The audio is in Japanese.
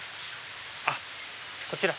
あっこちら。